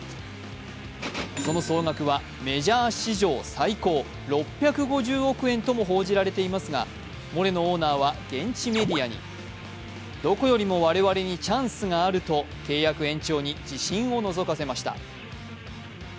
その総額はメジャー史上最高、６５０億円とも報じられていますがモレノオーナーは現地メディアに、とこよりも我々にチャンスがあると契約延長に自信をのぞかせました。